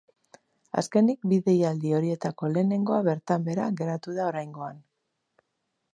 Azkenik, bi deialdi horietako lehenengoa bertan behera geratu da oraingoan.